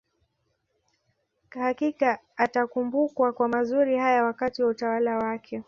Hakika atakumbukwa kwa mazuri haya wakati wa utawala wake